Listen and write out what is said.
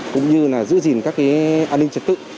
cũng như là giữ gìn các an ninh trật tế